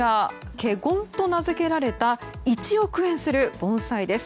「華厳」と名付けられた１億円する盆栽です。